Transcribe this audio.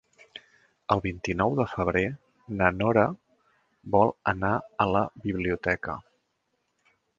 El vint-i-nou de febrer na Nora vol anar a la biblioteca.